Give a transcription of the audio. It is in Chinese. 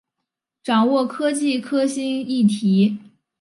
掌握科技新兴议题